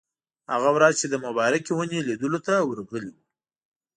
هغه ورځ چې د مبارکې ونې لیدلو ته ورغلي وو.